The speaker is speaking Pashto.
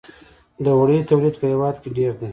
د وړیو تولید په هیواد کې ډیر دی